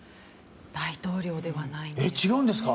大統領ではないんです。